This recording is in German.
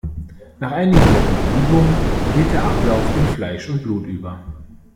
Nach einigen Wochen Übung geht der Ablauf in Fleisch und Blut über.